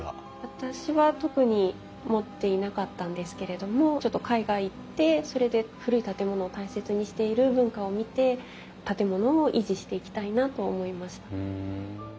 私は特に持っていなかったんですけれどもちょっと海外行ってそれで古い建物を大切にしている文化を見て建物を維持していきたいなと思いました。